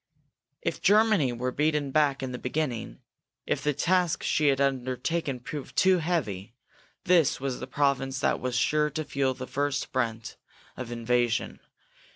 If Germany were beaten back in the beginning, if the task she had undertaken proved too heavy, this was the province that was sure to feel the first brunt of invasion.